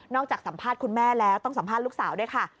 จากสัมภาษณ์คุณแม่แล้วต้องสัมภาษณ์ลูกสาวด้วยค่ะ